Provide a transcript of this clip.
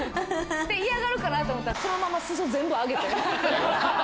嫌がるかなって思ったら、そのまま裾、全部あげて。